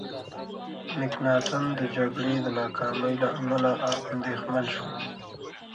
مکناتن د جګړې د ناکامۍ له امله اندېښمن شو.